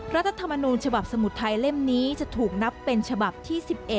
รัฐธรรมนูญฉบับสมุทรไทยเล่มนี้จะถูกนับเป็นฉบับที่๑๑